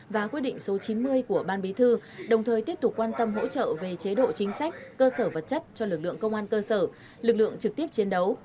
và quyết định số chín mươi của ban bí thư đồng thời tiếp tục quan tâm hỗ trợ về chế độ chính sách cơ sở vật chất cho lực lượng công an cơ sở lực lượng trực tiếp chiến đấu